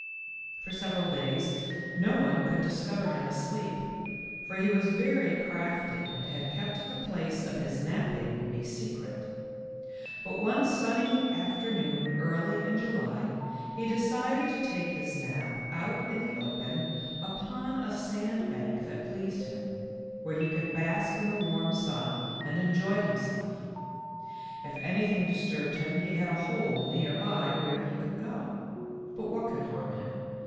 For several days no one could discover him asleep, for he was very crafty and had kept the place of his napping a secret. But one sunny afternoon early in July, he decided to take his nap out in the open upon a sandbank 96 THE LITTLE FORESTERS. that pleased hini, where he could bask in the warm sun and enjoy himself. If anything dis turbed him he had a hole near by where he could go. But what could harm him?